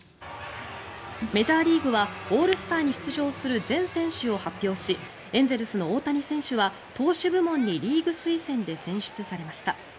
メジャーリーグはオールスターに出場する全選手を発表しエンゼルスの大谷選手は投手部門にリーグ推薦で選出されました。